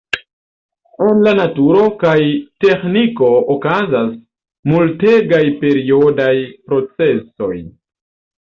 En la naturo kaj teĥniko okazas multegaj periodaj procesoj.